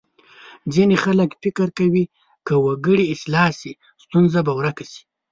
ځینې خلک فکر کوي که وګړي اصلاح شي ستونزه به ورکه شي.